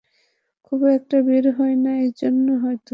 খুব-একটা বের হই না এজন্য হয়তো।